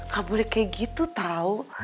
gak boleh kayak gitu tau